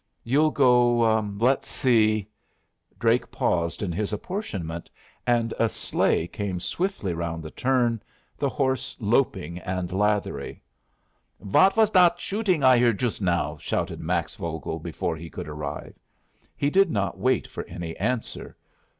You'll go let's see " Drake paused in his apportionment, and a sleigh came swiftly round the turn, the horse loping and lathery. "What vas dat shooting I hear joost now?" shouted Max Vogel, before he could arrive. He did not wait for any answer.